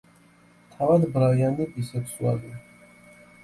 თავად ბრაიანი ბისექსუალია.